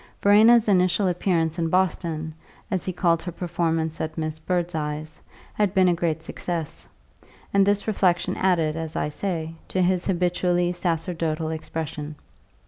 Verena's initial appearance in Boston, as he called her performance at Miss Birdseye's, had been a great success; and this reflexion added, as I say, to his habitually sacerdotal expression.